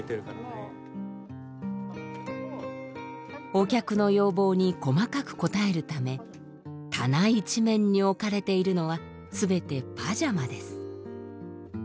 お客の要望に細かく応えるため棚一面に置かれているのは全てパジャマです。